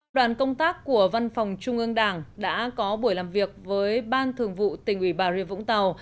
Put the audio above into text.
đoàn công tác của văn phòng trung ương đảng đã có buổi làm việc với ban thường vụ tỉnh ủy bà rịa vũng tàu